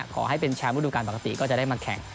ขอให้เป็นแชมป์ฤดูการปกติก็จะได้มาแข่ง